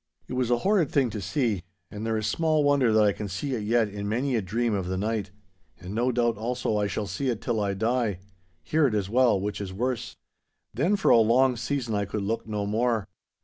It was a horrid thing to see, and there is small wonder that I can see it yet in many a dream of the night. And no doubt also I shall see it till I die—hear it as well, which is worse. Then for a long season I could look no more.